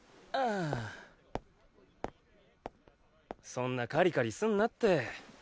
そんなカリカリすんなって。